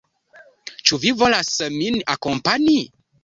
Ĉu vi volas min akompani?